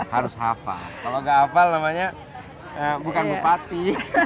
harus hava kalau nggak hava namanya bukan bupati